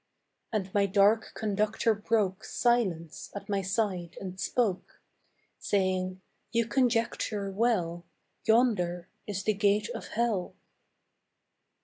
And my dark conductor broke Silence at my side and spoke, Saying, "You conjecture well: Yonder is the gate of hell."